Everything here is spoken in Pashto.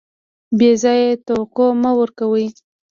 بې ځایه توقع مه ورکوئ.